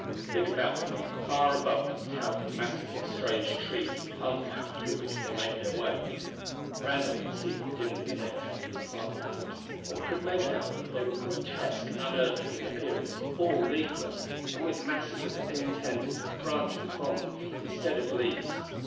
Thick about them and far above them towered the masses of strange trees and plant life through which they made their way. Randall could see but dimly the nature of these plant forms, but could make out that they were grotesque and unearthly in appearance, all leafless, and with masses of thin tendrils branching from them instead of leaves.